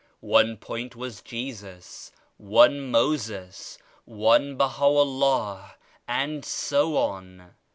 One point was Jesus, one Moses, one BahaVllah and so on.